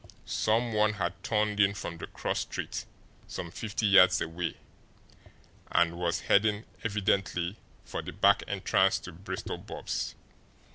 Some one had turned in from the cross street, some fifty yards away, and was heading evidently for the back entrance to Bristol Bob's.